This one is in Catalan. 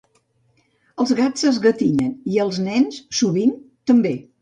Els gats s'esgatinyen, i els nens, sovint, també.